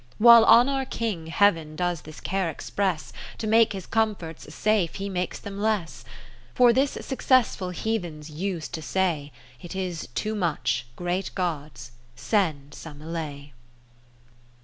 60 While on our King Heav'n does this care express. To make his comforts safe he makes them less. For this successful heathens use[d?] to say, It is too much, (great Gods) send some allay.